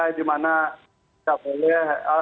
ponisnya dimana disiapkan